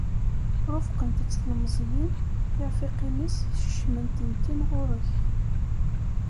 Rufqent- tt tlemẓiyin, tirfiqin-is, skecmen-tent-in ɣur-k.